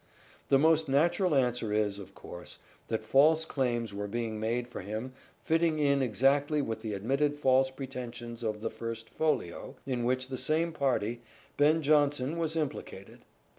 The most natural answer is, of course, that false claims were being made for him fitting in exactly with the admitted false pretensions of the First Folio in which the same party, Ben Jonson, was implicated.